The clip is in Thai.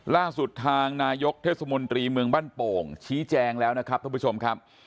ล่าสุดทางนายกเทศมนตรีเมืองบ้านโป่งชี้แจงแล้วนะครับท่านผู้ชมครับ